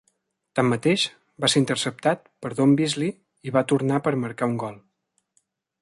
Tanmateix, va ser interceptat per Deon Beasley i va tornar per marcar un gol.